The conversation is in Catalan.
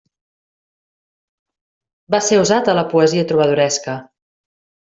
Va ser usat a la poesia trobadoresca.